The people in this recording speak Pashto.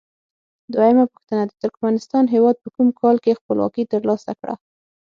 دویمه پوښتنه: د ترکمنستان هیواد په کوم کال کې خپلواکي تر لاسه کړه؟